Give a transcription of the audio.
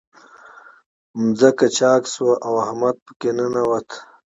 ځمکه چاک شوه، او احمد په کې ننوت.